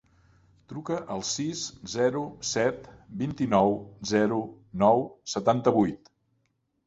Truca al sis, zero, set, vint-i-nou, zero, nou, setanta-vuit.